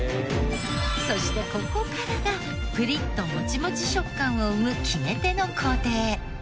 そしてここからがプリッともちもち食感を生む決め手の工程。